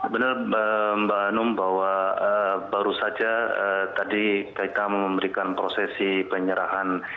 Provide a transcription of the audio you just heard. benar mbak anum bahwa baru saja tadi kita memberikan prosesi penyerahan